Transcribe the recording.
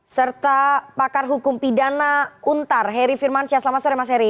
serta pakar hukum pidana untar heri firmansyah selamat sore mas heri